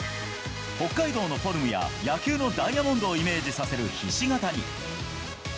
北海道のフォルムや野球のダイヤモンドをイメージさせる、ひし形に。